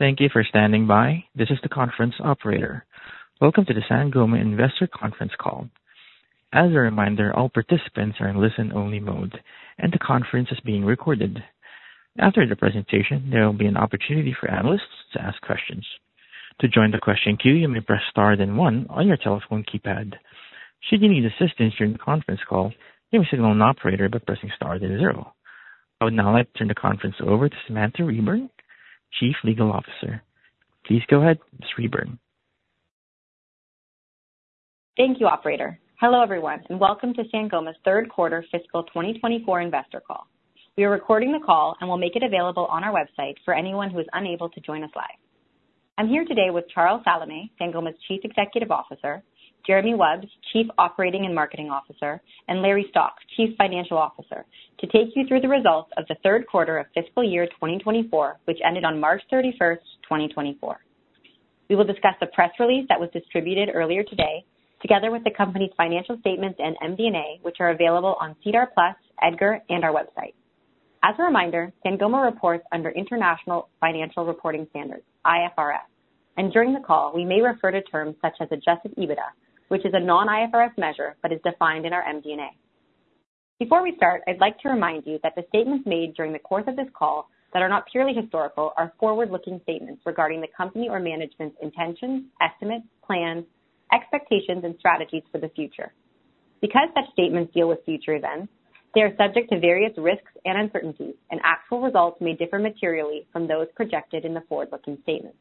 Thank you for standing by. This is the conference operator. Welcome to the Sangoma Investor Conference Call. As a reminder, all participants are in listen-only mode, and the conference is being recorded. After the presentation, there will be an opportunity for analysts to ask questions. To join the question queue, you may press star, then one on your telephone keypad. Should you need assistance during the conference call, you may signal an operator by pressing star, then zero. I would now like to turn the conference over to Samantha Reburn, Chief Legal Officer. Please go ahead, Ms. Reburn. Thank you, operator. Hello, everyone, and welcome to Sangoma's Third Quarter Fiscal 2024 Investor Call. We are recording the call and will make it available on our website for anyone who is unable to join us live. I'm here today with Charles Salameh, Sangoma's Chief Executive Officer, Jeremy Wubs, Chief Operating and Marketing Officer, and Larry Stock, Chief Financial Officer, to take you through the results of the third quarter of fiscal year 2024, which ended on March 31, 2024. We will discuss the press release that was distributed earlier today, together with the company's financial statements and MD&A, which are available on SEDAR+, EDGAR, and our website. As a reminder, Sangoma reports under International Financial Reporting Standards, IFRS, and during the call, we may refer to terms such as adjusted EBITDA, which is a non-IFRS measure, but is defined in our MD&A. Before we start, I'd like to remind you that the statements made during the course of this call that are not purely historical are forward-looking statements regarding the company or management's intentions, estimates, plans, expectations, and strategies for the future. Because such statements deal with future events, they are subject to various risks and uncertainties, and actual results may differ materially from those projected in the forward-looking statements.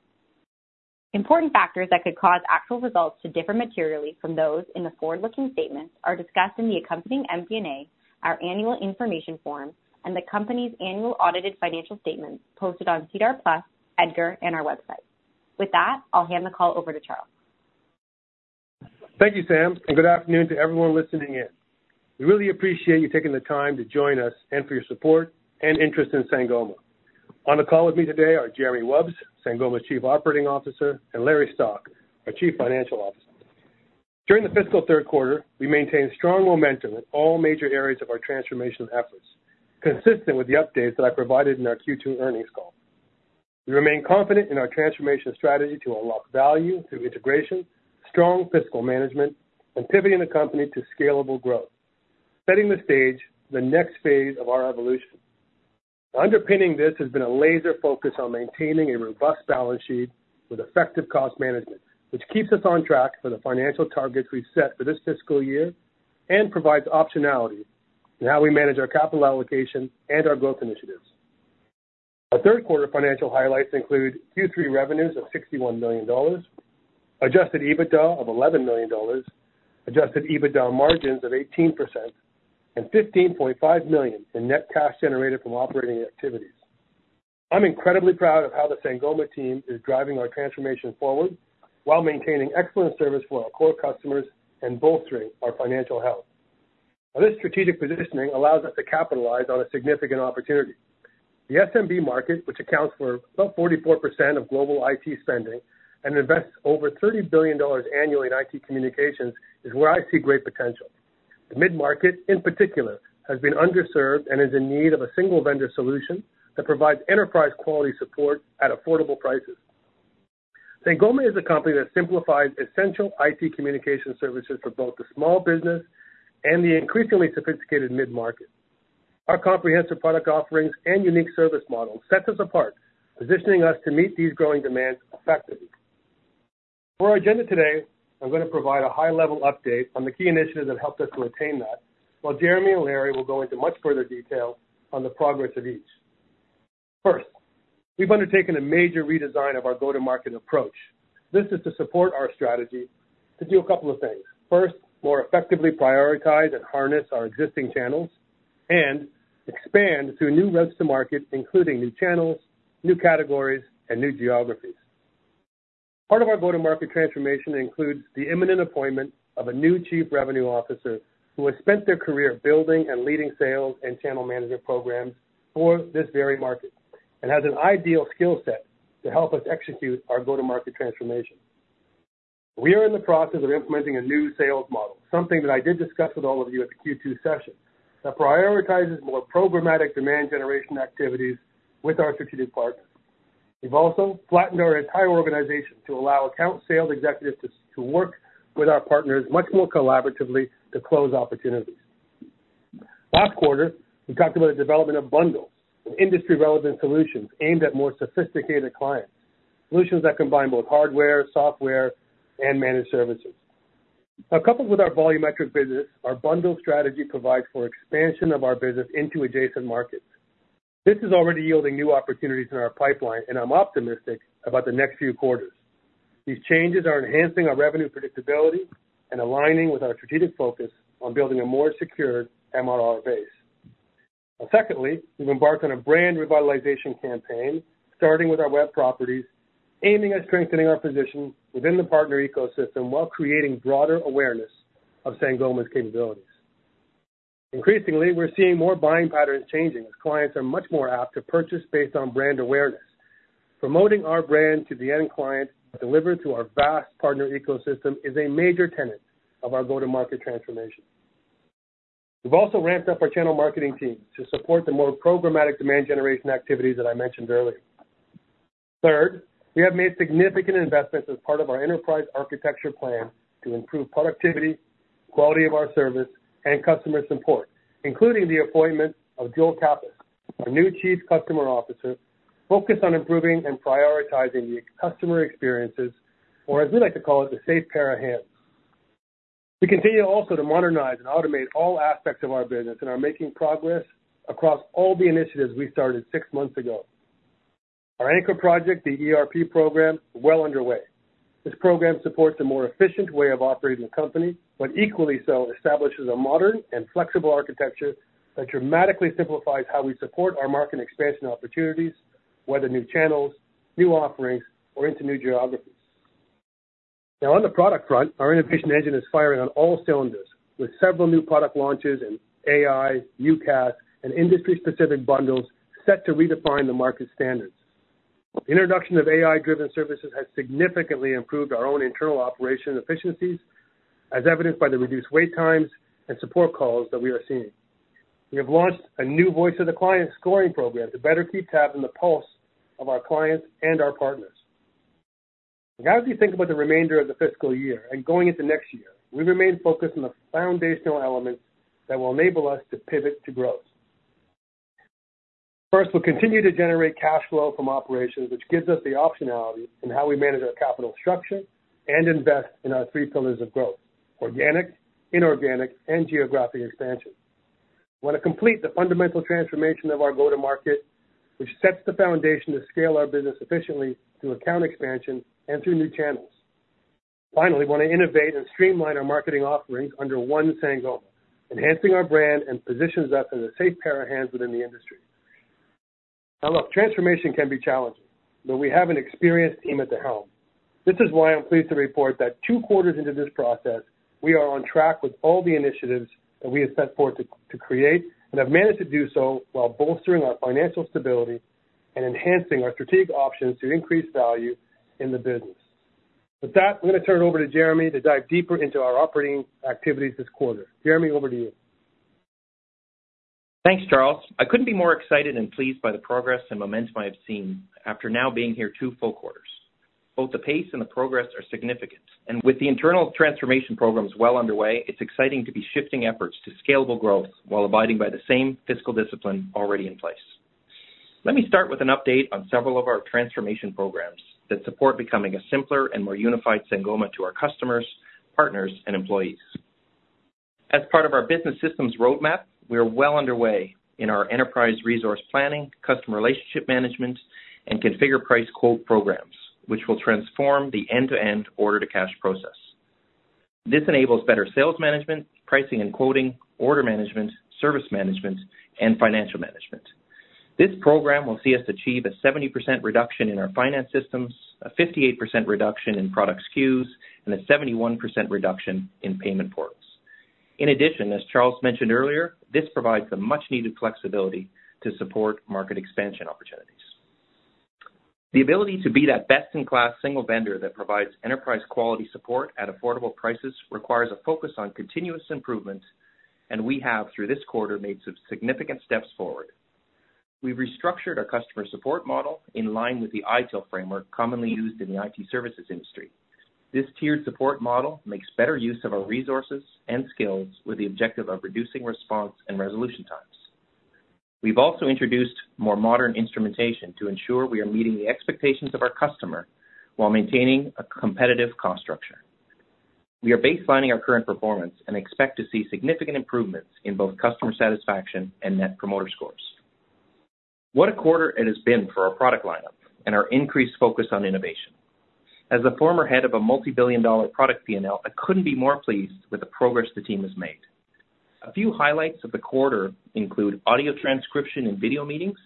Important factors that could cause actual results to differ materially from those in the forward-looking statements are discussed in the accompanying MD&A, our annual information form, and the company's annual audited financial statements posted on SEDAR+, EDGAR, and our website. With that, I'll hand the call over to Charles. Thank you, Sam, and good afternoon to everyone listening in. We really appreciate you taking the time to join us and for your support and interest in Sangoma. On the call with me today are Jeremy Wubs, Sangoma's Chief Operating Officer, and Larry Stock, our Chief Financial Officer. During the fiscal third quarter, we maintained strong momentum in all major areas of our transformation efforts, consistent with the updates that I provided in our Q2 earnings call. We remain confident in our transformation strategy to unlock value through integration, strong fiscal management, and pivoting the company to scalable growth, setting the stage for the next phase of our evolution. Underpinning this has been a laser focus on maintaining a robust balance sheet with effective cost management, which keeps us on track for the financial targets we've set for this fiscal year and provides optionality in how we manage our capital allocation and our growth initiatives. Our third quarter financial highlights include Q3 revenues of $61 million, adjusted EBITDA of $11 million, adjusted EBITDA margins of 18%, and $15.5 million in net cash generated from operating activities. I'm incredibly proud of how the Sangoma team is driving our transformation forward while maintaining excellent service for our core customers and bolstering our financial health. Now, this strategic positioning allows us to capitalize on a significant opportunity. The SMB market, which accounts for about 44% of global IT spending and invests over $30 billion annually in IT communications, is where I see great potential. The mid-market, in particular, has been underserved and is in need of a single vendor solution that provides enterprise quality support at affordable prices. Sangoma is a company that simplifies essential IT communication services for both the small business and the increasingly sophisticated mid-market. Our comprehensive product offerings and unique service model sets us apart, positioning us to meet these growing demands effectively. For our agenda today, I'm gonna provide a high-level update on the key initiatives that helped us to attain that, while Jeremy and Larry will go into much further detail on the progress of each. First, we've undertaken a major redesign of our go-to-market approach. This is to support our strategy to do a couple of things. First, more effectively prioritize and harness our existing channels and expand to new roads to market, including new channels, new categories, and new geographies. Part of our go-to-market transformation includes the imminent appointment of a new chief revenue officer, who has spent their career building and leading sales and channel management programs for this very market and has an ideal skill set to help us execute our go-to-market transformation. We are in the process of implementing a new sales model, something that I did discuss with all of you at the Q2 session, that prioritizes more programmatic demand generation activities with our strategic partners. We've also flattened our entire organization to allow account sales executives to work with our partners much more collaboratively to close opportunities. Last quarter, we talked about the development of bundles and industry-relevant solutions aimed at more sophisticated clients, solutions that combine both hardware, software, and managed services. Now, coupled with our volumetric business, our bundle strategy provides for expansion of our business into adjacent markets. This is already yielding new opportunities in our pipeline, and I'm optimistic about the next few quarters. These changes are enhancing our revenue predictability and aligning with our strategic focus on building a more secure MRR base. Secondly, we've embarked on a brand revitalization campaign, starting with our web properties, aiming at strengthening our position within the partner ecosystem while creating broader awareness of Sangoma's capabilities. Increasingly, we're seeing more buying patterns changing, as clients are much more apt to purchase based on brand awareness. Promoting our brand to the end client, delivered to our vast partner ecosystem, is a major tenet of our go-to-market transformation.... We've also ramped up our channel marketing team to support the more programmatic demand generation activities that I mentioned earlier. Third, we have made significant investments as part of our enterprise architecture plan to improve productivity, quality of our service, and customer support, including the appointment of Joel Kappes, our new Chief Customer Officer, focused on improving and prioritizing the customer experiences, or as we like to call it, the safe pair of hands. We continue also to modernize and automate all aspects of our business, and are making progress across all the initiatives we started six months ago. Our anchor project, the ERP program, well underway. This program supports a more efficient way of operating the company, but equally so, establishes a modern and flexible architecture that dramatically simplifies how we support our market expansion opportunities, whether new channels, new offerings, or into new geographies. Now, on the product front, our innovation engine is firing on all cylinders, with several new product launches in AI, UCaaS, and industry-specific bundles set to redefine the market standards. The introduction of AI-driven services has significantly improved our own internal operation efficiencies, as evidenced by the reduced wait times and support calls that we are seeing. We have launched a new Voice of the Client scoring program to better keep tabs on the pulse of our clients and our partners. Now, as you think about the remainder of the fiscal year and going into next year, we remain focused on the foundational elements that will enable us to pivot to growth. First, we'll continue to generate cash flow from operations, which gives us the optionality in how we manage our capital structure and invest in our three pillars of growth: organic, inorganic, and geographic expansion. We want to complete the fundamental transformation of our go-to-market, which sets the foundation to scale our business efficiently through account expansion and through new channels. Finally, we want to innovate and streamline our marketing offerings under one Sangoma, enhancing our brand and positions us as a safe pair of hands within the industry. Now, look, transformation can be challenging, but we have an experienced team at the helm. This is why I'm pleased to report that two quarters into this process, we are on track with all the initiatives that we have set forth to create, and have managed to do so while bolstering our financial stability and enhancing our strategic options to increase value in the business. With that, I'm going to turn it over to Jeremy to dive deeper into our operating activities this quarter. Jeremy, over to you. Thanks, Charles. I couldn't be more excited and pleased by the progress and momentum I have seen after now being here two full quarters. Both the pace and the progress are significant, and with the internal transformation programs well underway, it's exciting to be shifting efforts to scalable growth while abiding by the same fiscal discipline already in place. Let me start with an update on several of our transformation programs that support becoming a simpler and more unified Sangoma to our customers, partners, and employees. As part of our business systems roadmap, we are well underway in our Enterprise Resource Planning, Customer Relationship Management, and Configure, Price, Quote programs, which will transform the end-to-end order-to-cash process. This enables better sales management, pricing and quoting, order management, service management, and financial management. This program will see us achieve a 70% reduction in our finance systems, a 58% reduction in product SKUs, and a 71% reduction in payment portals. In addition, as Charles mentioned earlier, this provides the much-needed flexibility to support market expansion opportunities. The ability to be that best-in-class single vendor that provides enterprise quality support at affordable prices requires a focus on continuous improvement, and we have, through this quarter, made some significant steps forward. We've restructured our customer support model in line with the ITIL framework, commonly used in the IT services industry. This tiered support model makes better use of our resources and skills with the objective of reducing response and resolution times. We've also introduced more modern instrumentation to ensure we are meeting the expectations of our customer while maintaining a competitive cost structure. We are baselining our current performance and expect to see significant improvements in both customer satisfaction and Net Promoter Scores. What a quarter it has been for our product lineup and our increased focus on innovation. As a former head of a multi-billion dollar product PNL, I couldn't be more pleased with the progress the team has made. A few highlights of the quarter include audio transcription and video meetings,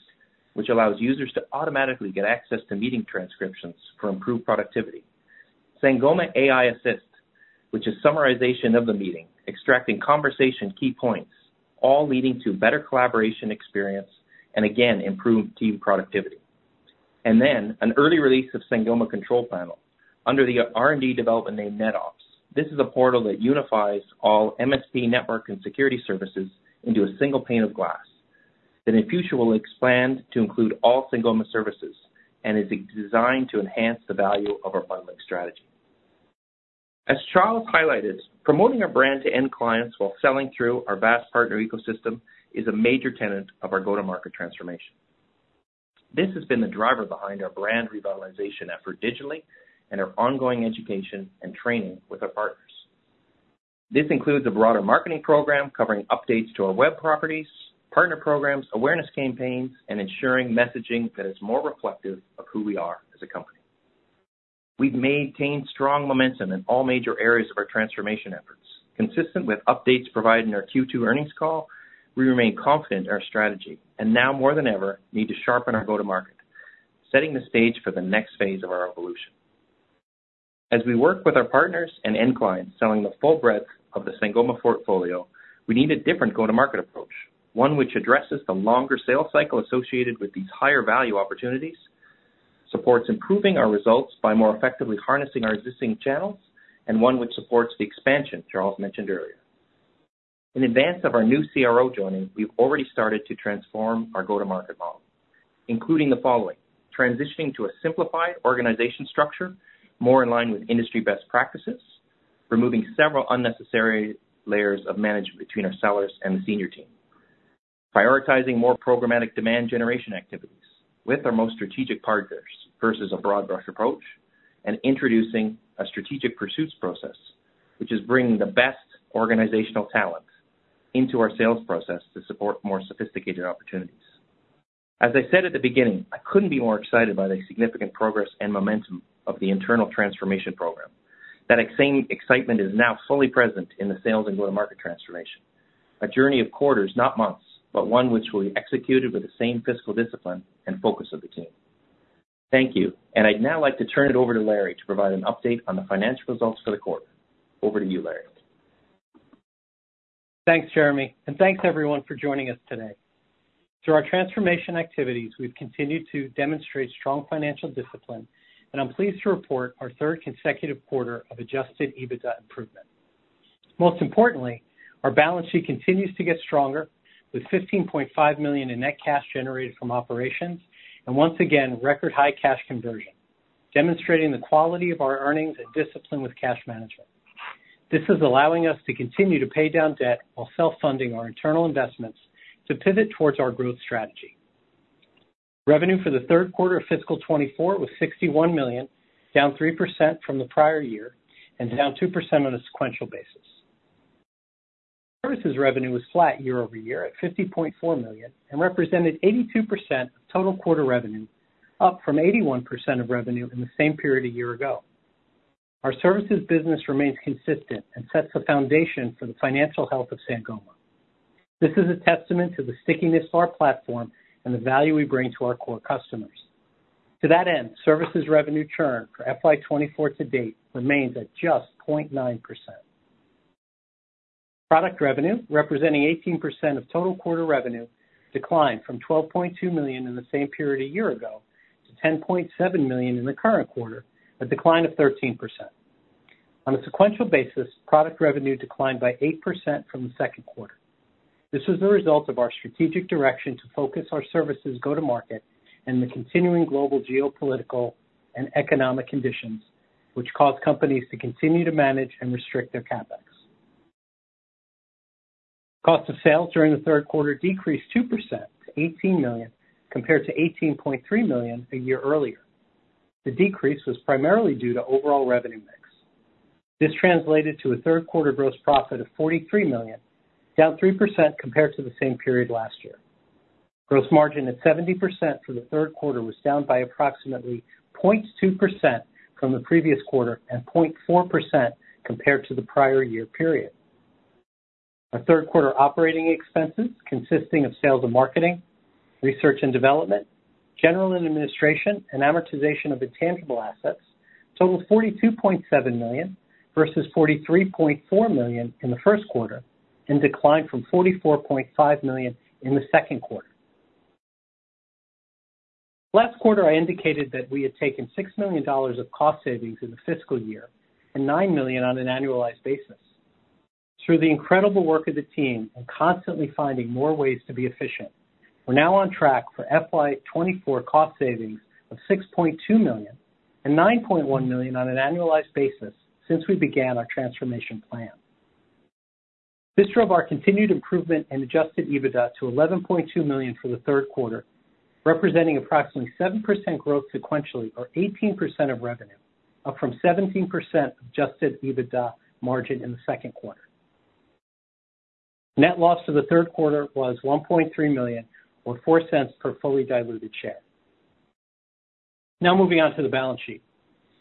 which allows users to automatically get access to meeting transcriptions for improved productivity. Sangoma AI Assist, which is summarization of the meeting, extracting conversation key points, all leading to better collaboration, experience, and again, improved team productivity. And then an early release of Sangoma Control Panel under the R&D development name NetOps. This is a portal that unifies all MSP network and security services into a single pane of glass, that in future, will expand to include all Sangoma services and is designed to enhance the value of our bundling strategy. As Charles highlighted, promoting our brand to end clients while selling through our vast partner ecosystem is a major tenet of our go-to-market transformation. This has been the driver behind our brand revitalization effort digitally and our ongoing education and training with our partners. This includes a broader marketing program covering updates to our web properties, partner programs, awareness campaigns, and ensuring messaging that is more reflective of who we are as a company. We've maintained strong momentum in all major areas of our transformation efforts. Consistent with updates provided in our Q2 earnings call, we remain confident in our strategy, and now more than ever, need to sharpen our go-to-market, setting the stage for the next phase of our evolution. As we work with our partners and end clients selling the full breadth of the Sangoma portfolio, we need a different go-to-market approach, one which addresses the longer sales cycle associated with these higher value opportunities... supports improving our results by more effectively harnessing our existing channels and one which supports the expansion Charles mentioned earlier. In advance of our new CRO joining, we've already started to transform our go-to-market model, including the following: transitioning to a simplified organization structure, more in line with industry best practices, removing several unnecessary layers of management between our sellers and the senior team, prioritizing more programmatic demand generation activities with our most strategic partners versus a broad brush approach, and introducing a strategic pursuits process, which is bringing the best organizational talent into our sales process to support more sophisticated opportunities. As I said at the beginning, I couldn't be more excited by the significant progress and momentum of the internal transformation program. That excitement is now fully present in the sales and go-to-market transformation. A journey of quarters, not months, but one which will be executed with the same fiscal discipline and focus of the team. Thank you, and I'd now like to turn it over to Larry to provide an update on the financial results for the quarter. Over to you, Larry. Thanks, Jeremy, and thanks everyone for joining us today. Through our transformation activities, we've continued to demonstrate strong financial discipline, and I'm pleased to report our third consecutive quarter of adjusted EBITDA improvement. Most importantly, our balance sheet continues to get stronger, with $15.5 million in net cash generated from operations, and once again, record high cash conversion, demonstrating the quality of our earnings and discipline with cash management. This is allowing us to continue to pay down debt while self-funding our internal investments to pivot towards our growth strategy. Revenue for the third quarter of fiscal 2024 was $61 million, down 3% from the prior year and down 2% on a sequential basis. Services revenue was flat year-over-year at $50.4 million and represented 82% of total quarter revenue, up from 81% of revenue in the same period a year ago. Our services business remains consistent and sets the foundation for the financial health of Sangoma. This is a testament to the stickiness of our platform and the value we bring to our core customers. To that end, services revenue churn for FY 2024 to date remains at just 0.9%. Product revenue, representing 18% of total quarter revenue, declined from $12.2 million in the same period a year ago to $10.7 million in the current quarter, a decline of 13%. On a sequential basis, product revenue declined by 8% from the second quarter. This was the result of our strategic direction to focus our services go-to-market and the continuing global geopolitical and economic conditions, which caused companies to continue to manage and restrict their CapEx. Cost of sales during the third quarter decreased 2% to $18 million, compared to $18.3 million a year earlier. The decrease was primarily due to overall revenue mix. This translated to a third quarter gross profit of $43 million, down 3% compared to the same period last year. Gross margin at 70% for the third quarter was down by approximately 0.2% from the previous quarter and 0.4% compared to the prior year period. Our third quarter operating expenses, consisting of sales and marketing, research and development, general and administration, and amortization of intangible assets, totaled $42.7 million versus $43.4 million in the first quarter, and declined from $44.5 million in the second quarter. Last quarter, I indicated that we had taken $6 million of cost savings in the fiscal year and $9 million on an annualized basis. Through the incredible work of the team in constantly finding more ways to be efficient, we're now on track for FY 2024 cost savings of $6.2 million and $9.1 million on an annualized basis since we began our transformation plan. This drove our continued improvement in adjusted EBITDA to $11.2 million for the third quarter, representing approximately 7% growth sequentially, or 18% of revenue, up from 17% adjusted EBITDA margin in the second quarter. Net loss for the third quarter was $1.3 million, or $0.04 per fully diluted share. Now moving on to the balance sheet.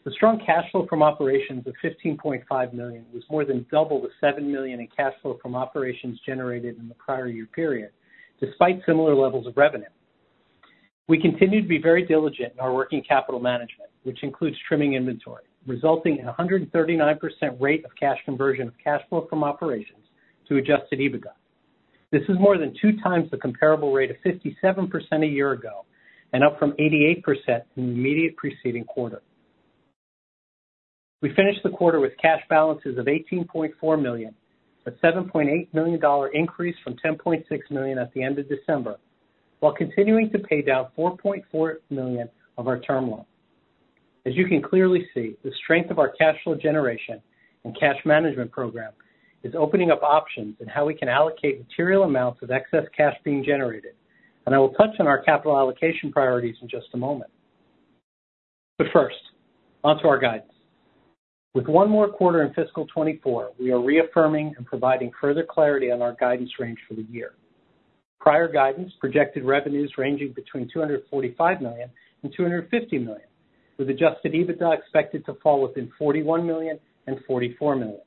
The strong cash flow from operations of $15.5 million was more than double the $7 million in cash flow from operations generated in the prior year period, despite similar levels of revenue. We continue to be very diligent in our working capital management, which includes trimming inventory, resulting in a 139% rate of cash conversion of cash flow from operations to adjusted EBITDA. This is more than 2 times the comparable rate of 57% a year ago and up from 88% in the immediate preceding quarter. We finished the quarter with cash balances of $18.4 million, a $7.8 million increase from $10.6 million at the end of December, while continuing to pay down $4.4 million of our term loan. As you can clearly see, the strength of our cash flow generation and cash management program is opening up options in how we can allocate material amounts of excess cash being generated, and I will touch on our capital allocation priorities in just a moment. But first, onto our guidance. With one more quarter in fiscal 2024, we are reaffirming and providing further clarity on our guidance range for the year. Prior guidance projected revenues ranging between $245 million and $250 million, with adjusted EBITDA expected to fall within $41 million and $44 million.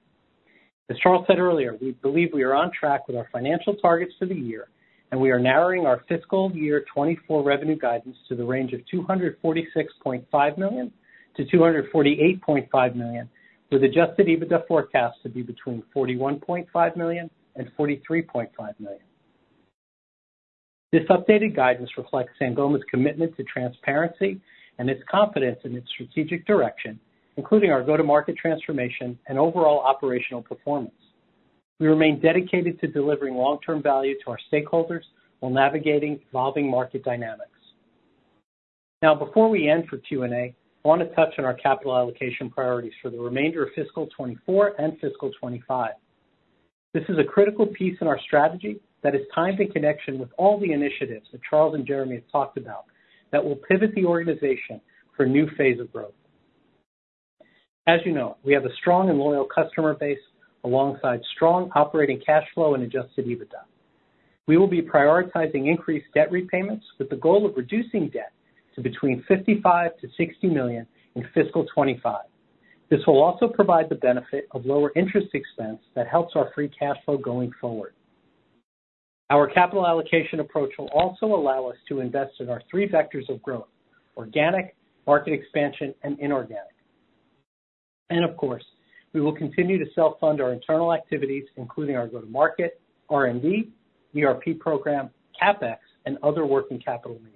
As Charles said earlier, we believe we are on track with our financial targets for the year, and we are narrowing our fiscal year 2024 revenue guidance to the range of $246.5 million to $248.5 million, with adjusted EBITDA forecast to be between $41.5 million and $43.5 million.... This updated guidance reflects Sangoma's commitment to transparency and its confidence in its strategic direction, including our go-to-market transformation and overall operational performance. We remain dedicated to delivering long-term value to our stakeholders while navigating evolving market dynamics. Now, before we end for Q&A, I wanna touch on our capital allocation priorities for the remainder of fiscal 2024 and fiscal 2025. This is a critical piece in our strategy that is timed in connection with all the initiatives that Charles and Jeremy have talked about, that will pivot the organization for a new phase of growth. As you know, we have a strong and loyal customer base, alongside strong operating cash flow and adjusted EBITDA. We will be prioritizing increased debt repayments, with the goal of reducing debt to between $55 million-$60 million in fiscal 2025. This will also provide the benefit of lower interest expense that helps our free cash flow going forward. Our capital allocation approach will also allow us to invest in our three vectors of growth: organic, market expansion, and inorganic. Of course, we will continue to self-fund our internal activities, including our go-to-market, R&D, ERP program, CapEx, and other working capital needs.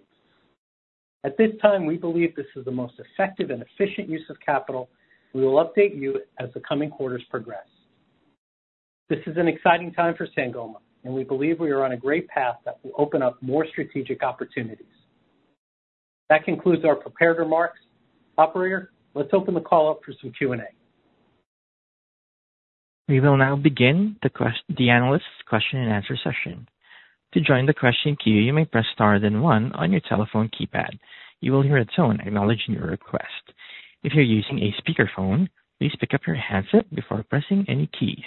At this time, we believe this is the most effective and efficient use of capital. We will update you as the coming quarters progress. This is an exciting time for Sangoma, and we believe we are on a great path that will open up more strategic opportunities. That concludes our prepared remarks. Operator, let's open the call up for some Q&A. We will now begin the analyst question-and-answer session. To join the question queue, you may press star, then one on your telephone keypad. You will hear a tone acknowledging your request. If you're using a speakerphone, please pick up your handset before pressing any keys.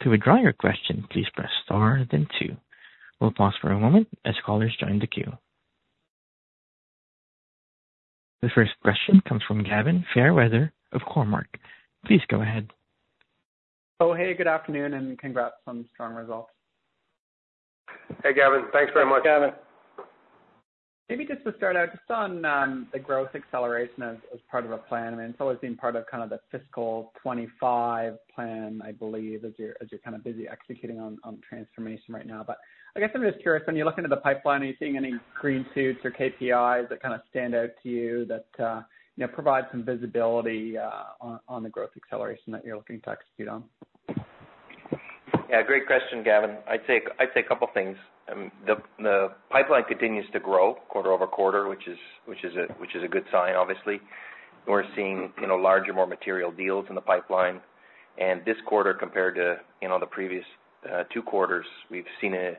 To withdraw your question, please press star, then two. We'll pause for a moment as callers join the queue. The first question comes from Gavin Fairweather of Cormark. Please go ahead. Oh, hey, good afternoon, and congrats on strong results. Hey, Gavin. Thanks very much. Gavin. Maybe just to start out, just on, the growth acceleration as part of a plan, I mean, it's always been part of kind of the fiscal 2025 plan, I believe, as you're kind of busy executing on transformation right now. But I guess I'm just curious, when you're looking at the pipeline, are you seeing any green shoots or KPIs that kind of stand out to you that, you know, provide some visibility on the growth acceleration that you're looking to execute on? Yeah, great question, Gavin. I'd say a couple things. The pipeline continues to grow quarter-over-quarter, which is a good sign, obviously. We're seeing, you know, larger, more material deals in the pipeline. And this quarter compared to, you know, the previous two quarters, we've seen an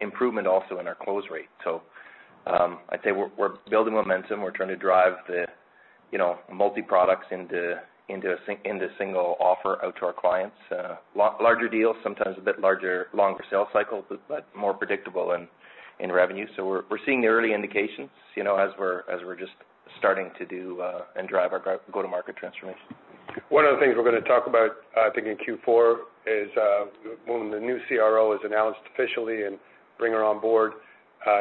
improvement also in our close rate. So, I'd say we're building momentum. We're trying to drive the, you know, multi-products into a single offer out to our clients. Larger deals, sometimes a bit larger, longer sales cycles, but more predictable in revenue. So we're seeing the early indications, you know, as we're just starting to do and drive our go-to-market transformation. One of the things we're gonna talk about, I think in Q4 is, when the new CRO is announced officially and bring her on board,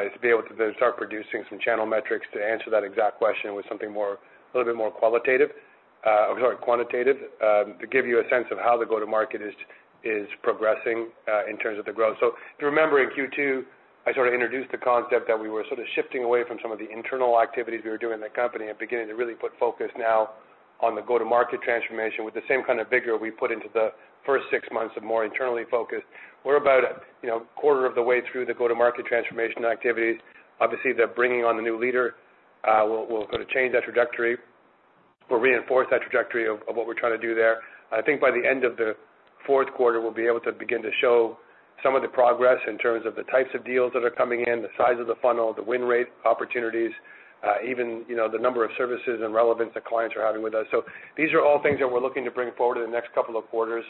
is to be able to start producing some channel metrics to answer that exact question with something more, a little bit more qualitative, or sorry, quantitative, to give you a sense of how the go-to-market is progressing, in terms of the growth. So if you remember in Q2, I sort of introduced the concept that we were sort of shifting away from some of the internal activities we were doing in the company and beginning to really put focus now on the go-to-market transformation with the same kind of vigor we put into the first six months of more internally focused. We're about, you know, a quarter of the way through the go-to-market transformation activities. Obviously, they're bringing on the new leader. We'll go to change that trajectory or reinforce that trajectory of what we're trying to do there. I think by the end of the fourth quarter, we'll be able to begin to show some of the progress in terms of the types of deals that are coming in, the size of the funnel, the win rate opportunities, even, you know, the number of services and relevance that clients are having with us. So these are all things that we're looking to bring forward in the next couple of quarters.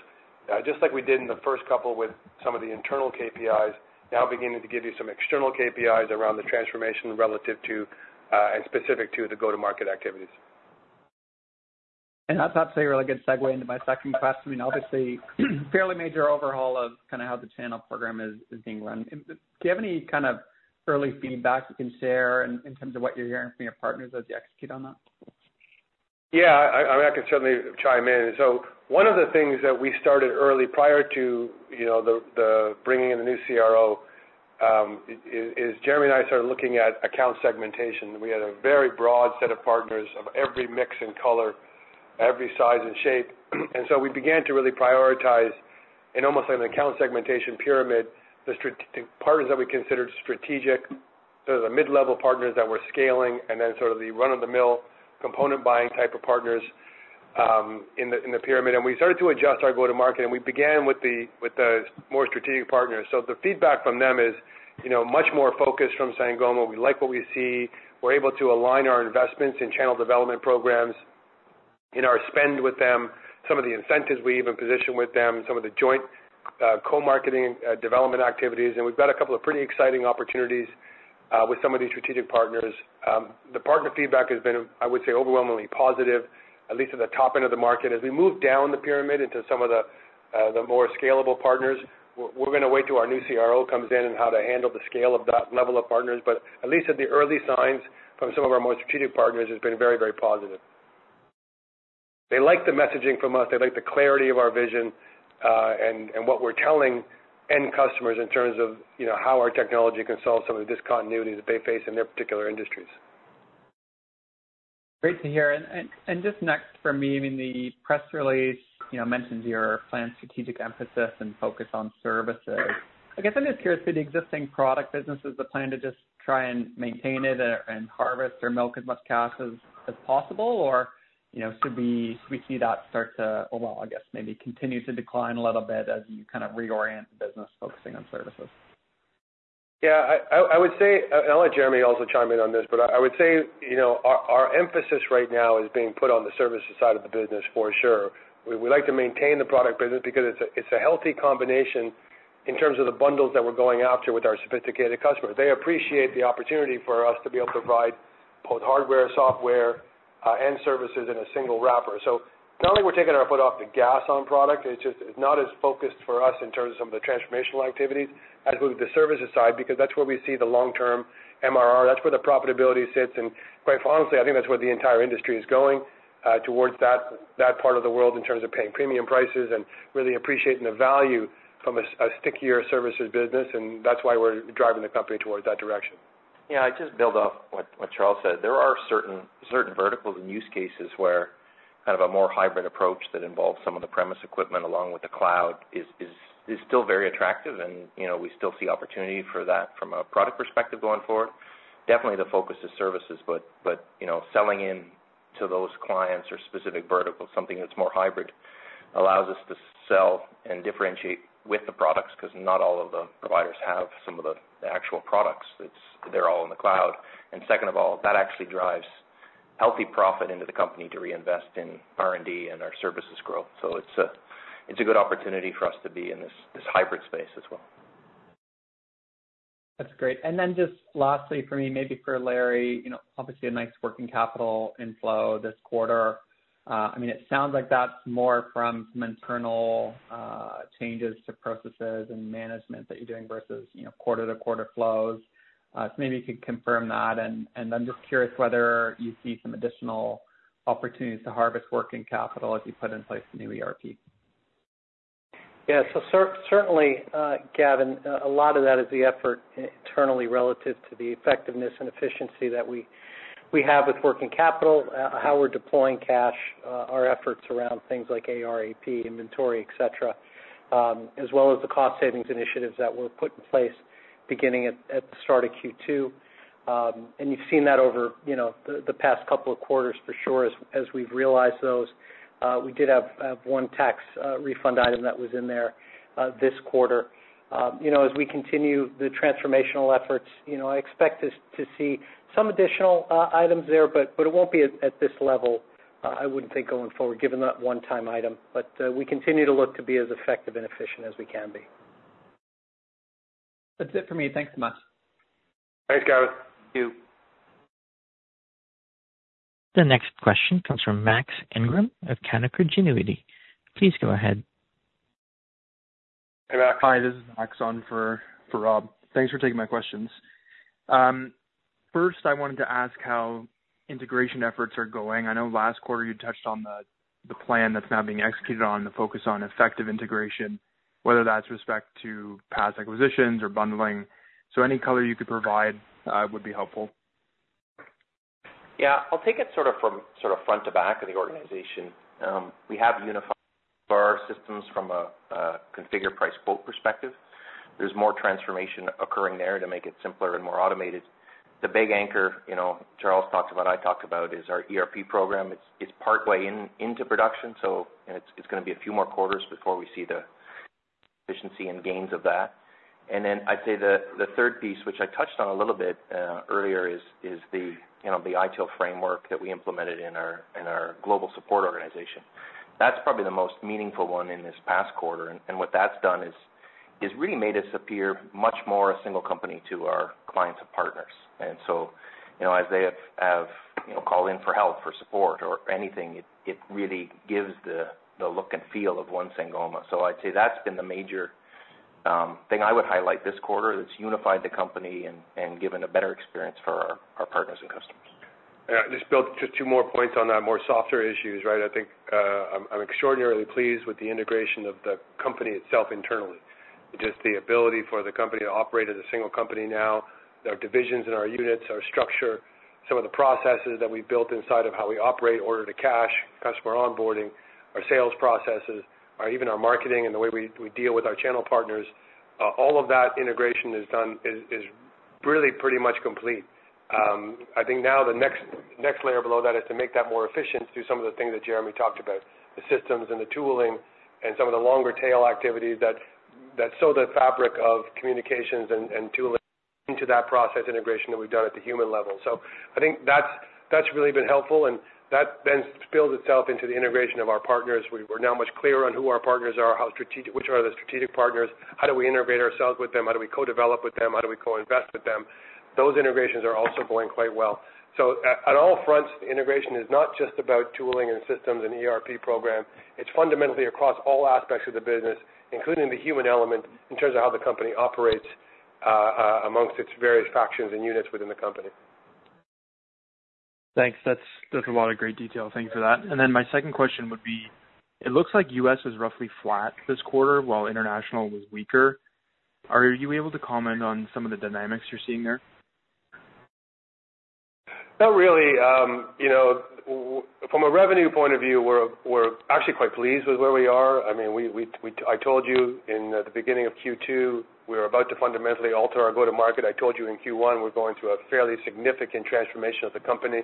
Just like we did in the first couple with some of the internal KPIs, now beginning to give you some external KPIs around the transformation relative to and specific to the go-to-market activities. That's actually a really good segue into my second question. I mean, obviously, fairly major overhaul of kind of how the channel program is being run. Do you have any kind of early feedback you can share in terms of what you're hearing from your partners as you execute on that? Yeah, I can certainly chime in. So one of the things that we started early, prior to, you know, the, the bringing in the new CRO, is Jeremy and I started looking at account segmentation. We had a very broad set of partners of every mix and color, every size and shape. And so we began to really prioritize, in almost like an account segmentation pyramid, the strategic partners that we considered strategic, so the mid-level partners that we're scaling, and then sort of the run-of-the-mill, component-buying type of partners, in the pyramid. And we started to adjust our go-to-market, and we began with the, with the more strategic partners. So the feedback from them is, you know, much more focused from Sangoma. We like what we see. We're able to align our investments in channel development programs, in our spend with them, some of the incentives we even position with them, some of the joint, co-marketing, development activities, and we've got a couple of pretty exciting opportunities, with some of these strategic partners. The partner feedback has been, I would say, overwhelmingly positive, at least at the top end of the market. As we move down the pyramid into some of the, the more scalable partners, we're gonna wait till our new CRO comes in and how to handle the scale of that level of partners. But at least at the early signs from some of our more strategic partners, it's been very, very positive... They like the messaging from us, they like the clarity of our vision, and what we're telling end customers in terms of, you know, how our technology can solve some of the discontinuities that they face in their particular industries. Great to hear. Just next for me, I mean, the press release, you know, mentions your planned strategic emphasis and focus on services. I guess I'm just curious, do the existing product businesses plan to just try and maintain it and harvest or milk as much cash as possible? Or, you know, should we see that start to, well, I guess, maybe continue to decline a little bit as you kind of reorient the business, focusing on services? Yeah, I would say, and I'll let Jeremy also chime in on this, but I would say, you know, our emphasis right now is being put on the services side of the business for sure. We like to maintain the product business because it's a healthy combination in terms of the bundles that we're going after with our sophisticated customers. They appreciate the opportunity for us to be able to provide both hardware, software, and services in a single wrapper. So it's not like we're taking our foot off the gas on product. It's just, it's not as focused for us in terms of some of the transformational activities as with the services side, because that's where we see the long-term MRR, that's where the profitability sits. Quite frankly, I think that's where the entire industry is going, towards that, that part of the world in terms of paying premium prices and really appreciating the value from a stickier services business, and that's why we're driving the company towards that direction. Yeah, I'd just build off what Charles said. There are certain verticals and use cases where kind of a more hybrid approach that involves some of the premises equipment along with the cloud is still very attractive, and, you know, we still see opportunity for that from a product perspective going forward. Definitely, the focus is services, but, you know, selling into those clients or specific verticals, something that's more hybrid, allows us to sell and differentiate with the products, 'cause not all of the providers have some of the actual products. It's—they're all in the cloud. And second of all, that actually drives healthy profit into the company to reinvest in R&D and our services growth. So it's a good opportunity for us to be in this hybrid space as well. That's great. And then just lastly for me, maybe for Larry, you know, obviously, a nice working capital inflow this quarter. I mean, it sounds like that's more from some internal changes to processes and management that you're doing versus, you know, quarter-to-quarter flows. So maybe you could confirm that, and I'm just curious whether you see some additional opportunities to harvest working capital as you put in place the new ERP. Yeah. So certainly, Gavin, a lot of that is the effort internally relative to the effectiveness and efficiency that we have with working capital, how we're deploying cash, our efforts around things like AR, AP, inventory, et cetera, as well as the cost savings initiatives that were put in place beginning at the start of Q2. And you've seen that over, you know, the past couple of quarters for sure, as we've realized those. We did have one tax refund item that was in there this quarter. You know, as we continue the transformational efforts, you know, I expect us to see some additional items there, but it won't be at this level, I wouldn't think, going forward, given that one-time item. But, we continue to look to be as effective and efficient as we can be. That's it for me. Thanks so much. Thanks, Gavin. Thank you. The next question comes from Max Ingram of Canaccord Genuity. Please go ahead. Hi, this is Max on for Rob. Thanks for taking my questions. First, I wanted to ask how integration efforts are going. I know last quarter you touched on the plan that's now being executed on, the focus on effective integration, whether that's with respect to past acquisitions or bundling. So any color you could provide would be helpful. Yeah. I'll take it sort of from sort of front to back of the organization. We have unified our systems from a configure price quote perspective. There's more transformation occurring there to make it simpler and more automated. The big anchor, you know, Charles talks about, I talked about, is our ERP program. It's partway into production, so it's gonna be a few more quarters before we see the efficiency and gains of that. And then I'd say the third piece, which I touched on a little bit earlier, is the ITIL framework that we implemented in our global support organization. That's probably the most meaningful one in this past quarter. And what that's done is really made us appear much more a single company to our clients and partners. And so, you know, as they have, you know, called in for help, for support or anything, it really gives the look and feel of one Sangoma. So I'd say that's been the major thing I would highlight this quarter, that's unified the company and given a better experience for our partners and customers. Yeah, just build just two more points on that, more softer issues, right? I think, I'm, I'm extraordinarily pleased with the integration of the company itself internally. Just the ability for the company to operate as a single company now, our divisions and our units, our structure, some of the processes that we've built inside of how we operate, order to cash, customer onboarding, our sales processes, or even our marketing and the way we, we deal with our channel partners, all of that integration is done, is, is really pretty much complete. I think now the next layer below that is to make that more efficient through some of the things that Jeremy talked about, the systems and the tooling and some of the longer tail activities that sew the fabric of communications and tooling into that process integration that we've done at the human level. So I think that's really been helpful, and that then spills itself into the integration of our partners. We're now much clearer on who our partners are, how strategic, which are the strategic partners? How do we integrate ourselves with them? How do we co-develop with them? How do we co-invest with them? Those integrations are also going quite well. So at all fronts, integration is not just about tooling and systems and ERP program. It's fundamentally across all aspects of the business, including the human element, in terms of how the company operates... amongst its various factions and units within the company. Thanks. That's, that's a lot of great detail. Thanks for that. And then my second question would be: It looks like U.S. was roughly flat this quarter, while international was weaker. Are you able to comment on some of the dynamics you're seeing there? Not really. You know, from a revenue point of view, we're actually quite pleased with where we are. I mean, I told you in the beginning of Q2, we were about to fundamentally alter our go-to-market. I told you in Q1, we're going through a fairly significant transformation of the company.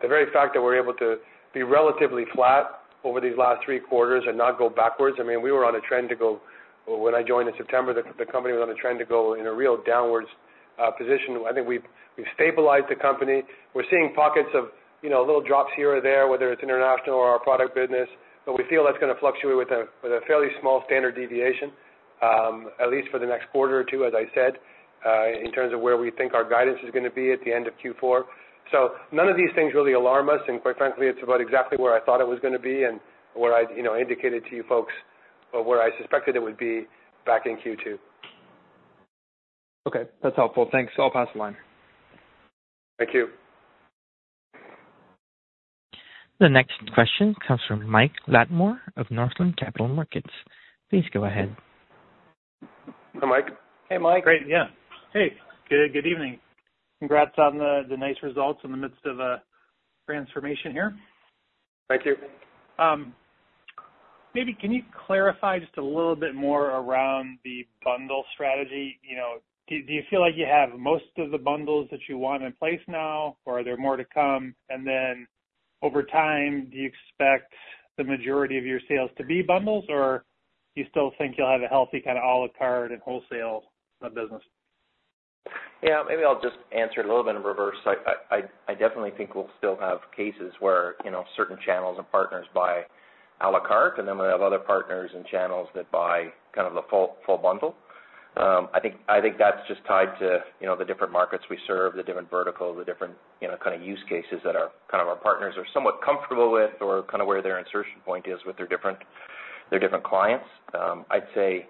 The very fact that we're able to be relatively flat over these last three quarters and not go backwards, I mean, we were on a trend to go, when I joined in September, the company was on a trend to go in a real downwards position. I think we've stabilized the company. We're seeing pockets of, you know, little drops here or there, whether it's international or our product business, but we feel that's gonna fluctuate with a fairly small standard deviation, at least for the next quarter or two, as I said, in terms of where we think our guidance is gonna be at the end of Q4. So none of these things really alarm us, and quite frankly, it's about exactly where I thought it was gonna be and where I, you know, indicated to you folks, or where I suspected it would be back in Q2. Okay, that's helpful. Thanks. I'll pass the line. Thank you. The next question comes from Mike Latimore of Northland Capital Markets. Please go ahead. Hi, Mike. Hey, Mike. Great, yeah. Hey, good, good evening. Congrats on the nice results in the midst of a transformation here. Thank you. Maybe can you clarify just a little bit more around the bundle strategy? You know, do you feel like you have most of the bundles that you want in place now, or are there more to come? And then, over time, do you expect the majority of your sales to be bundles, or do you still think you'll have a healthy kind of a la carte and wholesale business? Yeah, maybe I'll just answer it a little bit in reverse. I definitely think we'll still have cases where, you know, certain channels and partners buy a la carte, and then we have other partners and channels that buy kind of the full bundle. I think that's just tied to, you know, the different markets we serve, the different verticals, the different, you know, kind of use cases that our, kind of our partners are somewhat comfortable with or kind of where their insertion point is with their different clients. I'd say,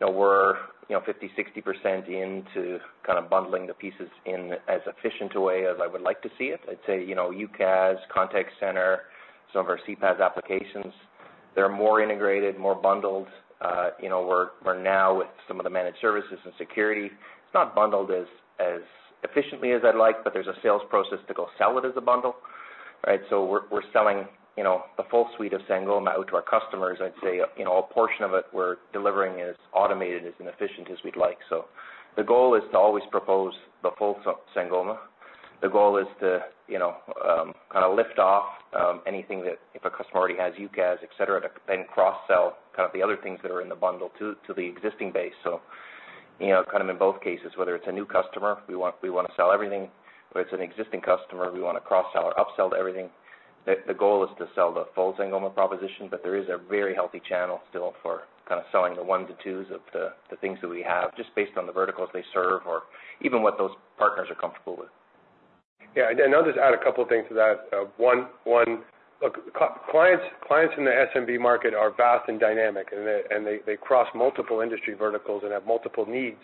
you know, we're, you know, 50%-60% into kind of bundling the pieces in as efficient a way as I would like to see it. I'd say, you know, UCaaS, contact center, some of our CPaaS applications, they're more integrated, more bundled. You know, we're now with some of the managed services and security. It's not bundled as efficiently as I'd like, but there's a sales process to go sell it as a bundle, right? So we're selling, you know, the full suite of Sangoma out to our customers. I'd say, you know, a portion of it we're delivering as automated as and efficient as we'd like. So the goal is to always propose the full Sangoma. The goal is to, you know, kind of lift off anything that if a customer already has UCaaS, et cetera, to then cross-sell kind of the other things that are in the bundle to the existing base. So, you know, kind of in both cases, whether it's a new customer, we want, we want to sell everything, or it's an existing customer, we want to cross-sell or upsell to everything. The goal is to sell the full Sangoma proposition, but there is a very healthy channel still for kind of selling the one to twos of the things that we have, just based on the verticals they serve or even what those partners are comfortable with. Yeah, and I'll just add a couple of things to that. One, look, clients in the SMB market are vast and dynamic, and they cross multiple industry verticals and have multiple needs.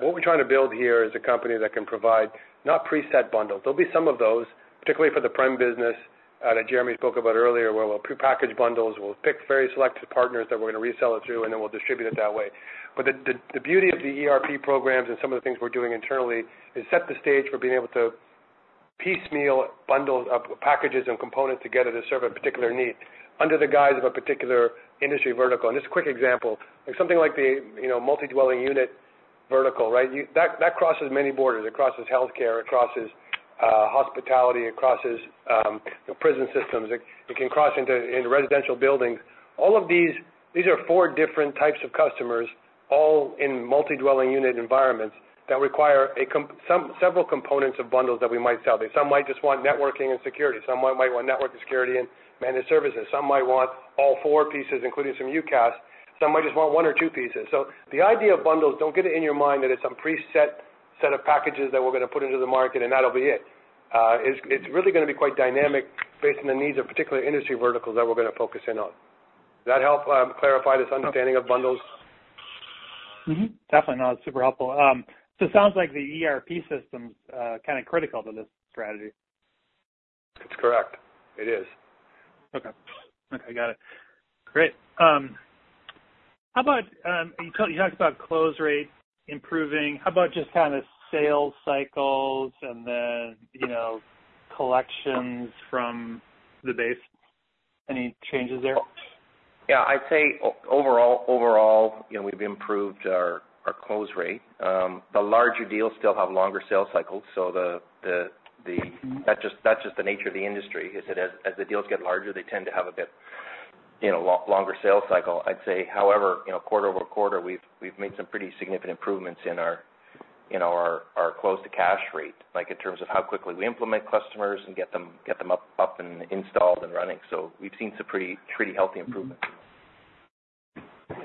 What we're trying to build here is a company that can provide, not preset bundles. There'll be some of those, particularly for the prem business that Jeremy spoke about earlier, where we'll prepackage bundles, we'll pick very selective partners that we're going to resell it to, and then we'll distribute it that way. But the beauty of the ERP programs and some of the things we're doing internally is set the stage for being able to piecemeal bundle up packages and components together to serve a particular need under the guise of a particular industry vertical. And just a quick example, something like the you know multi-dwelling unit vertical, right? That that crosses many borders. It crosses healthcare, it crosses hospitality, it crosses prison systems. It can cross into residential buildings. All of these these are four different types of customers, all in multi-dwelling unit environments, that require several components of bundles that we might sell. Some might just want networking and security. Some might want network and security and managed services. Some might want all four pieces, including some UCaaS. Some might just want one or two pieces. So the idea of bundles, don't get it in your mind that it's some preset set of packages that we're gonna put into the market, and that'll be it. It's really gonna be quite dynamic based on the needs of particular industry verticals that we're gonna focus in on. Does that help clarify this understanding of bundles? Mm-hmm. Definitely. No, it's super helpful. So it sounds like the ERP system's kind of critical to this strategy. It's correct. It is. Okay. Okay, got it. Great. How about you talked, you talked about close rate improving. How about just kind of sales cycles and then, you know, collections from the base? Any changes there? Yeah, I'd say overall, overall, you know, we've improved our, our close rate. The larger deals still have longer sales cycles, so the, the, the- Mm-hmm. That's just the nature of the industry, is that as the deals get larger, they tend to have a bit, you know, longer sales cycle. I'd say, however, you know, quarter-over-quarter, we've made some pretty significant improvements in our close-to-cash rate, like in terms of how quickly we implement customers and get them up and installed and running. So we've seen some pretty healthy improvements.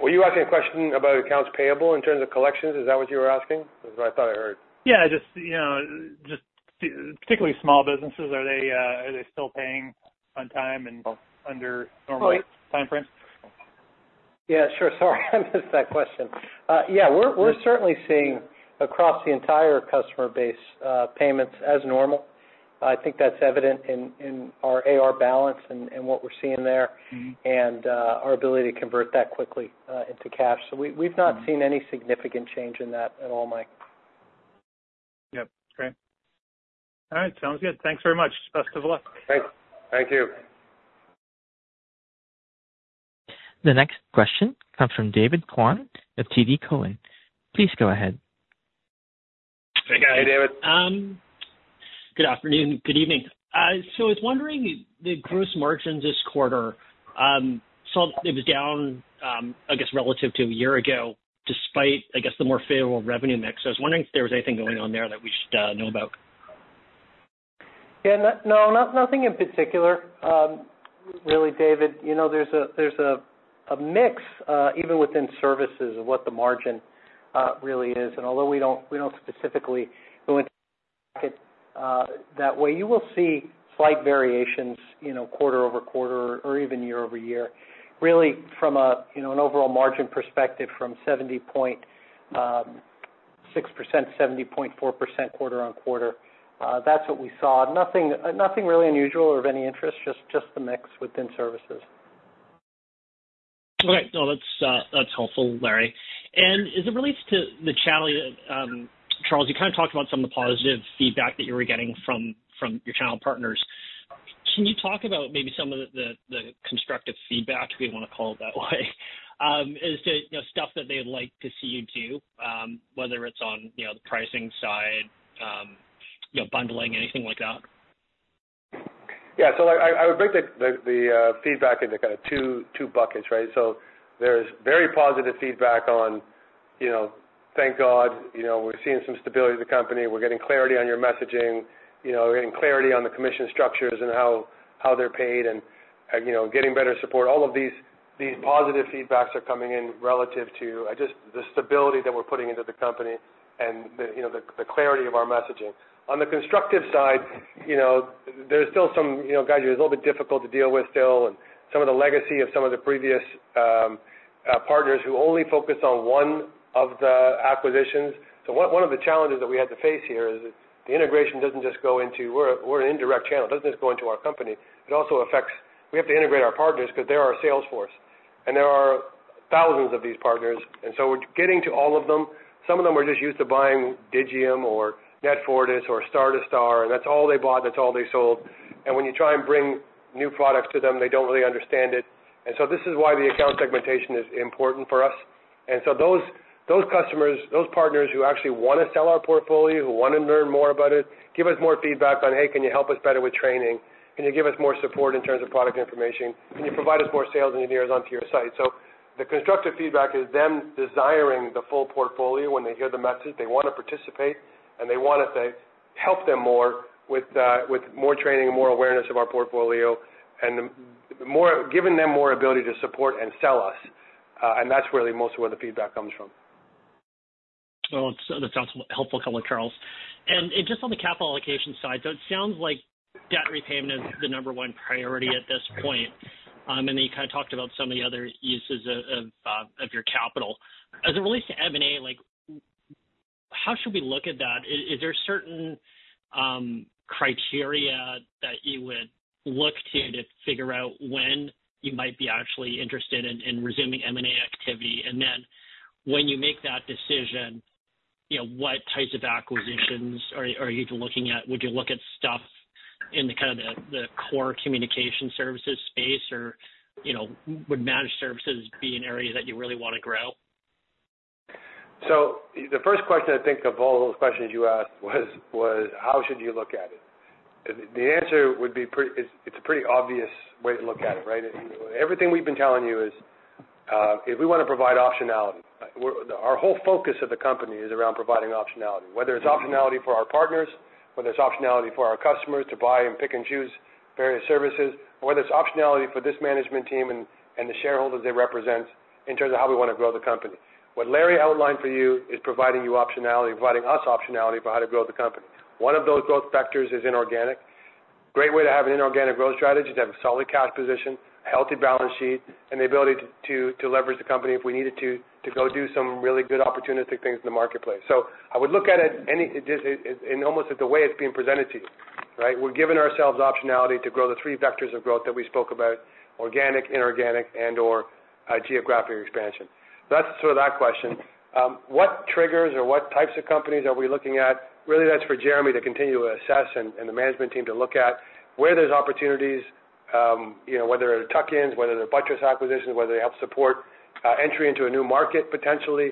Were you asking a question about accounts payable in terms of collections? Is that what you were asking? That's what I thought I heard. Yeah, just, you know, just particularly small businesses, are they, are they still paying on time and under normal time frames?... Yeah, sure. Sorry, I missed that question. Yeah, we're certainly seeing across the entire customer base payments as normal. I think that's evident in our AR balance and what we're seeing there, and our ability to convert that quickly into cash. So we've not seen any significant change in that at all, Mike. Yep. Great. All right, sounds good. Thanks very much. Best of luck. Thanks. Thank you. The next question comes from David Kwan of TD Cowen. Please go ahead. Hey, guys. Hey, David. Good afternoon. Good evening. So I was wondering, the gross margins this quarter, so it was down, I guess, relative to a year ago, despite, I guess, the more favorable revenue mix. I was wondering if there was anything going on there that we should know about? Yeah. No, no, nothing in particular, really, David. You know, there's a mix even within services of what the margin really is. And although we don't, we don't specifically go into it that way, you will see slight variations, you know, quarter-over-quarter or even year-over-year. Really, from a, you know, an overall margin perspective, from 70.6%, 70.4% quarter-over-quarter, that's what we saw. Nothing, nothing really unusual or of any interest, just the mix within services. All right. No, that's helpful, Larry. And as it relates to the channel, Charles, you kind of talked about some of the positive feedback that you were getting from your channel partners. Can you talk about maybe some of the constructive feedback, if you want to call it that way? Is it, you know, stuff that they'd like to see you do, whether it's on, you know, the pricing side, you know, bundling, anything like that? Yeah. So I would break the feedback into kind of two buckets, right? So there's very positive feedback on, you know, thank God, you know, we're seeing some stability in the company. We're getting clarity on your messaging. You know, we're getting clarity on the commission structures and how they're paid and, you know, getting better support. All of these positive feedbacks are coming in relative to just the stability that we're putting into the company and the, you know, the clarity of our messaging. On the constructive side, you know, there's still some, you know, guys, you're a little bit difficult to deal with still, and some of the legacy of some of the previous partners who only focus on one of the acquisitions. So one of the challenges that we had to face here is the integration doesn't just go into, we're an indirect channel. It doesn't just go into our company, it also affects... We have to integrate our partners because they're our sales force, and there are thousands of these partners, and so getting to all of them, some of them are just used to buying Digium or NetFortris or Star2Star, and that's all they bought, that's all they sold. And when you try and bring new products to them, they don't really understand it. And so this is why the account segmentation is important for us. And so those customers, those partners who actually want to sell our portfolio, who want to learn more about it, give us more feedback on, "Hey, can you help us better with training? Can you give us more support in terms of product information? Can you provide us more sales engineers onto your site?" So the constructive feedback is them desiring the full portfolio when they hear the message. They want to participate, and they want us to help them more with, with more training and more awareness of our portfolio, and more giving them more ability to support and sell us, and that's really mostly where the feedback comes from. Well, that sounds helpful, Charles. And just on the capital allocation side, so it sounds like debt repayment is the number one priority at this point. And you kind of talked about some of the other uses of your capital. As it relates to M&A, like, how should we look at that? Is there certain criteria that you would look to, to figure out when you might be actually interested in resuming M&A activity? And then when you make that decision, you know, what types of acquisitions are you looking at? Would you look at stuff in the kind of the core communication services space, or, you know, would managed services be an area that you really want to grow? So the first question, I think, of all those questions you asked was, "How should you look at it?" The answer would be—it's a pretty obvious way to look at it, right? Everything we've been telling you is we want to provide optionality. We're—Our whole focus of the company is around providing optionality, whether it's optionality for our partners, whether it's optionality for our customers to buy and pick and choose various services, or whether it's optionality for this management team and the shareholders they represent in terms of how we want to grow the company. What Larry outlined for you is providing you optionality, providing us optionality for how to grow the company. One of those growth vectors is inorganic. Great way to have an inorganic growth strategy, to have a solid cash position, healthy balance sheet, and the ability to leverage the company if we needed to, to go do some really good opportunistic things in the marketplace. So I would look at it anyway, just in almost the way it's being presented to you, right? We're giving ourselves optionality to grow the three vectors of growth that we spoke about: organic, inorganic, and/or geographic expansion. That's to that question. What triggers or what types of companies are we looking at? Really, that's for Jeremy to continue to assess and the management team to look at where there's opportunities, you know, whether they're tuck-ins, whether they're bolt-on acquisitions, whether they help support entry into a new market, potentially,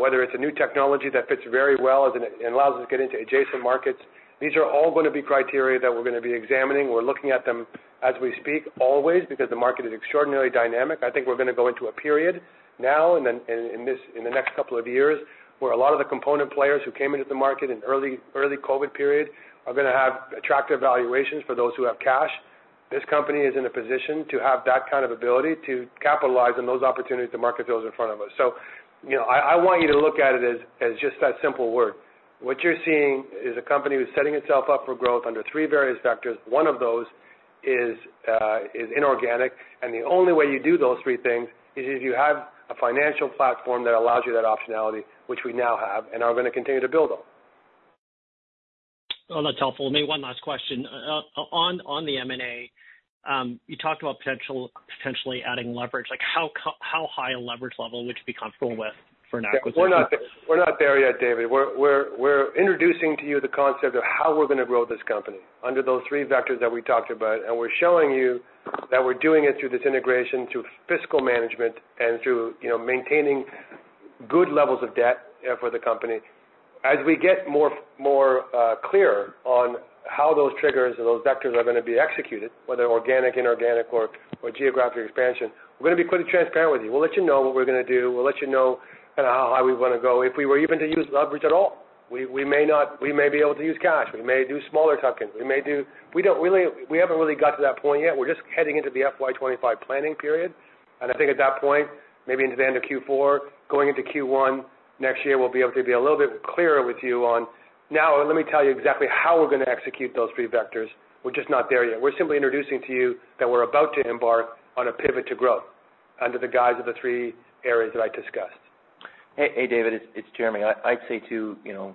whether it's a new technology that fits very well and allows us to get into adjacent markets. These are all going to be criteria that we're going to be examining. We're looking at them as we speak, always, because the market is extraordinarily dynamic. I think we're going to go into a period now and then, in this, in the next couple of years, where a lot of the component players who came into the market in early COVID period are going to have attractive valuations for those who have cash. This company is in a position to have that kind of ability to capitalize on those opportunities the market deals in front of us. So, you know, I want you to look at it as just that simple word.... What you're seeing is a company who's setting itself up for growth under three various vectors. One of those is inorganic, and the only way you do those three things is if you have a financial platform that allows you that optionality, which we now have and are gonna continue to build on. Well, that's helpful. Maybe one last question. On the M&A, you talked about potentially adding leverage. Like, how high a leverage level would you be comfortable with for an acquisition? We're not there yet, David. We're introducing to you the concept of how we're gonna grow this company under those three vectors that we talked about, and we're showing you that we're doing it through this integration, through fiscal management, and through, you know, maintaining good levels of debt for the company. As we get more clear on how those triggers or those vectors are gonna be executed, whether organic, inorganic, or geographic expansion, we're gonna be quite transparent with you. We'll let you know what we're gonna do. We'll let you know kind of how high we wanna go. If we were even to use leverage at all, we may not, we may be able to use cash, we may do smaller tuck-ins, we may do. We haven't really got to that point yet. We're just heading into the FY 2025 planning period, and I think at that point, maybe into the end of Q4, going into Q1 next year, we'll be able to be a little bit clearer with you on, "Now, let me tell you exactly how we're gonna execute those three vectors." We're just not there yet. We're simply introducing to you that we're about to embark on a pivot to growth under the guise of the three areas that I discussed. Hey, hey, David, it's Jeremy. I'd say, too, you know,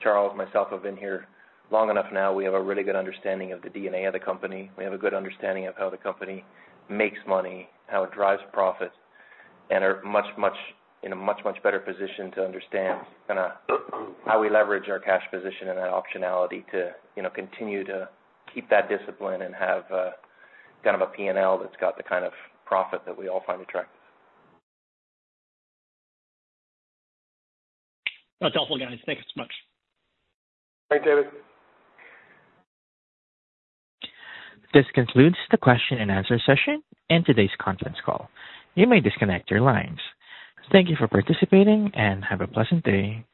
Charles, myself, have been here long enough now. We have a really good understanding of the DNA of the company. We have a good understanding of how the company makes money, how it drives profit, and are much, much, in a much, much better position to understand kinda how we leverage our cash position and that optionality to, you know, continue to keep that discipline and have kind of a P&L that's got the kind of profit that we all find attractive. That's helpful, guys. Thank you so much. Bye, David. This concludes the question and answer session and today's conference call. You may disconnect your lines. Thank you for participating, and have a pleasant day.